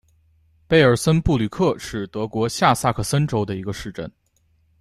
贝尔森布吕克是德国下萨克森州的一个市镇。